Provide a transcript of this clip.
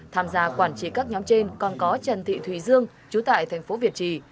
tham gia quản trị các nhóm trên còn có trần thị thùy dương chú tại thành phố việt trì